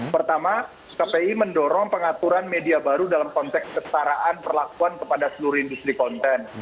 pertama kpi mendorong pengaturan media baru dalam konteks kesetaraan perlakuan kepada seluruh industri konten